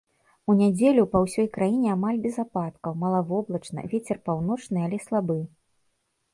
У нядзелю па ўсёй краіне амаль без ападкаў, малавоблачна, вецер паўночны але слабы.